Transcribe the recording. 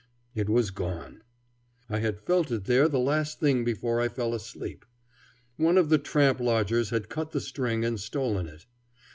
It was gone. I had felt it there the last thing before I fell asleep. One of the tramp lodgers had cut the string and stolen it.